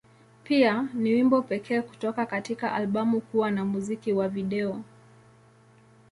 Pia, ni wimbo pekee kutoka katika albamu kuwa na muziki wa video.